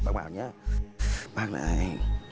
bác bảo nhé